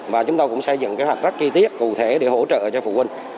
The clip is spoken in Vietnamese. và chúng tôi cũng xây dựng kế hoạch rất chi tiết cụ thể để hỗ trợ cho phụ huynh